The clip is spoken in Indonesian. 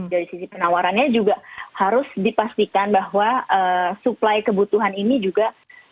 dari sisi penawarannya juga harus dipastikan bahwa suplai kebutuhan ini juga